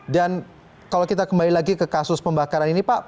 dan kalau kita kembali lagi ke kasus pembakaran ini pak